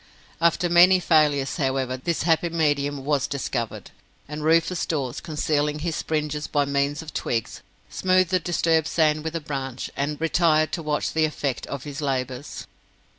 After many failures, however, this happy medium was discovered; and Rufus Dawes, concealing his springes by means of twigs, smoothed the disturbed sand with a branch and retired to watch the effect of his labours.